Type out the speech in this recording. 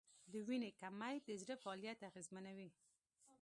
د وینې کمی د زړه فعالیت اغېزمنوي.